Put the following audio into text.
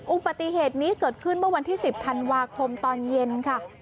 อุบัติเหตุนี้เกิดขึ้นเมื่อวันที่๑๐ธันวาคมตอนเย็นค่ะ